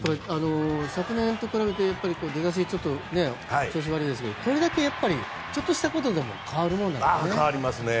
昨年と比べて出だしは調子悪いですけどこれだけ、やっぱりちょっとしたことでも変わるもんなんですね。